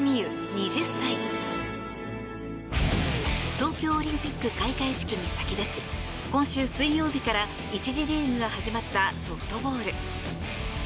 東京オリンピック開会式に先立ち今週水曜日から１次リーグが始まったソフトボール。